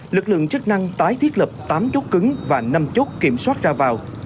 lực lượng chức năng tái thiết lập tám chốt cứng và năm chốt kiểm soát ra vào